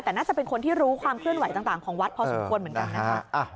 แต่น่าจะเป็นคนที่รู้ความเคลื่อนไหวต่างของวัดพอสมควรเหมือนกันนะคะ